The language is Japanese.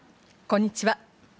こんにちは。